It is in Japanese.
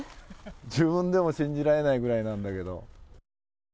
自分でも信じられないぐらいなんだけど。